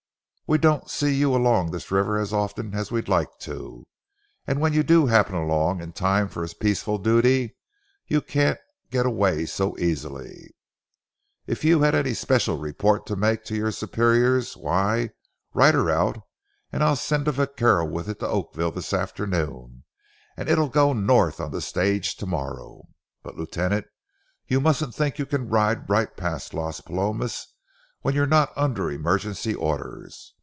We don't see you along this river as often as we'd like to, and when you do happen along in time for a peaceful duty, you can't get away so easily. If you have any special report to make to your superiors, why, write her out, and I'll send a vaquero with it to Oakville this afternoon, and it'll go north on the stage to morrow. But, lieutenant, you mustn't think you can ride right past Las Palomas when you're not under emergency orders.